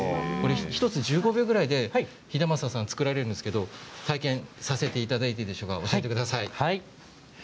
１つ１５秒ぐらいで秀昌さんは作られるんですが体験させていただいていいんでしょうか。